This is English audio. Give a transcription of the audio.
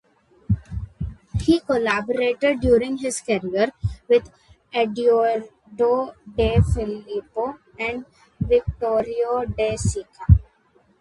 He collaborated during his career with Eduardo De Filippo and Vittorio De Sica.